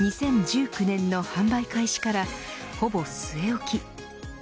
２０１９年の販売開始からほぼ据え置き。